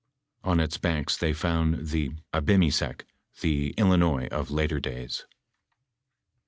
On its banks they found the AbimiSec, the Ilinois of later days.